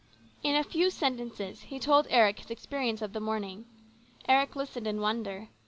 In a few sentences he told Eric his experience of the morning. Eric listened in wonder.